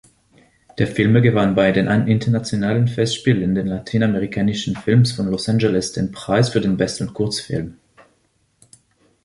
Der Film gewann bei den internationalen Festspielen des lateinamerikanischen Films von Los Angeles den Preis für den besten Kurzfilm.